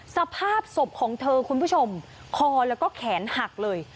สภาพศพของเธอคุณผู้ชมคอแล้วก็แขนหักเลย